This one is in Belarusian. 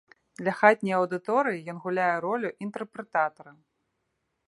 Для хатняй аўдыторыі ён гуляе ролю інтэрпрэтатара.